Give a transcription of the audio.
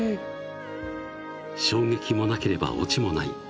［衝撃もなければオチもない］